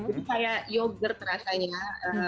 itu kayak yogurt rasanya